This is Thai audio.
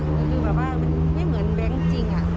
คือแบบว่ามันไม่เหมือนแบงค์จริง